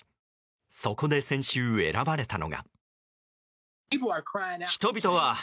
そこで先週、選ばれたのが。